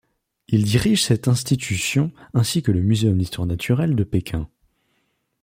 Il dirige cette institution ainsi que le muséum d’histoire naturelle de Pékin.